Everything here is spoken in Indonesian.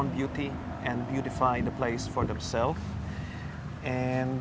kecantikan mereka sendiri dan memperbaiki tempatnya sendiri